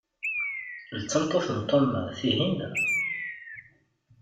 D tameṭṭut n Tom, tihin?